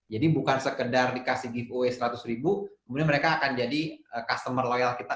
jadi bukan sekedar dikasih giveaway seratus ribu kemudian mereka akan jadi customer loyal kita